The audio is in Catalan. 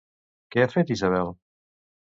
Què ha fet Isabel?